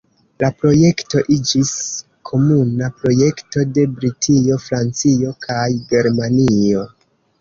La projekto iĝis komuna projekto de Britio, Francio, kaj Germanio.